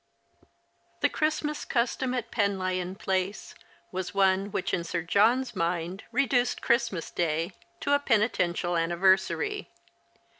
FIE Christmas custom at Pen lyon Place was one which in Sir John's mind reduced Christmas Day to a penitential anniversary.